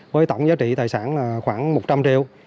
với tổng giá trị tài sản là khoảng một trăm linh triệu